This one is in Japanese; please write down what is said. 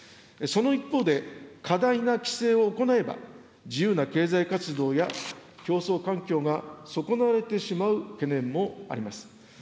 その一方で、過大な規制を行えば、自由な経済活動や競争環境が損なわれてしまう懸念もあります。